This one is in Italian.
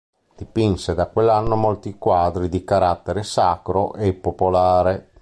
Dipinse da quell'anno molti quadri di carattere sacro e popolare.